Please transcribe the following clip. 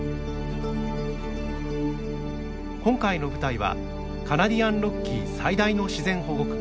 今回の舞台はカナディアンロッキー最大の自然保護区